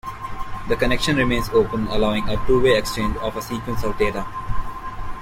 The connection remains open, allowing a two-way exchange of a sequence of data.